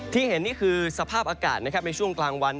เห็นนี่คือสภาพอากาศนะครับในช่วงกลางวัน